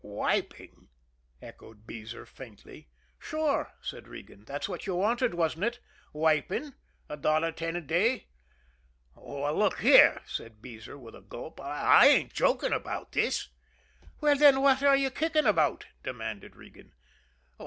"Wiping?" echoed Beezer faintly. "Sure," said Regan. "That's what you wanted, wasn't it? Wiping a dollar ten a day." "Look here," said Beezer with a gulp; "I ain't joking about this." "Well, then, what are you kicking about?" demanded Regan.